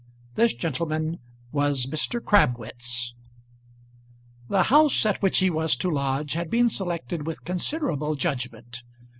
This gentleman was Mr. Crabwitz. The house at which he was to lodge had been selected with considerable judgment.